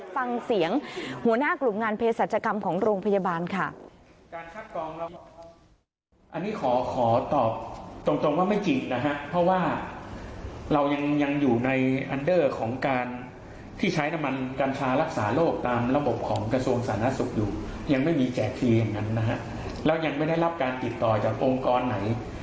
ฟังเสียงหัวหน้ากลุ่มงานเพศรัชกรรมของโรงพยาบาลค่ะ